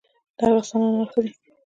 د ارغستان انار ښه دي